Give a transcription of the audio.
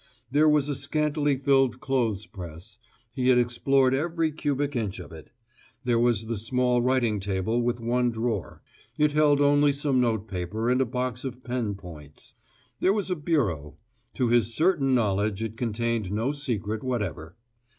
There was a scantily filled clothes press; he had explored every cubic inch of it. There was the small writing table with one drawer; it held only some note paper and a box of pen points. There was a bureau; to his certain knowledge it contained no secret whatever.